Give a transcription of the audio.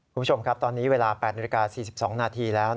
คุณผู้ชมครับตอนนี้เวลา๘นาฬิกา๔๒นาทีแล้ว